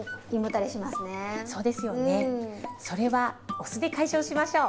それはお酢で解消しましょう。